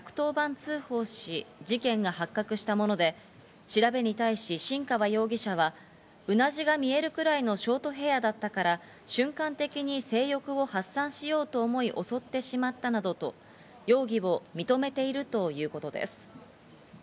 通報し、事件が発覚したもので、調べに対し、新川容疑者は、うなじが見えるくらいのショートヘアだったから、瞬間的に性欲を発散しようと思い、襲ってしまったなどと容疑を認めているということです。